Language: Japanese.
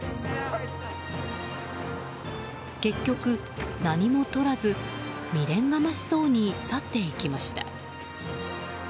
結局、何もとらず未練がましそうに去っていきました。